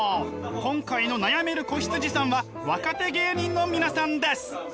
今回の悩める子羊さんは若手芸人の皆さんです！